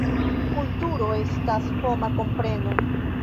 Kulturo estas homa kompreno.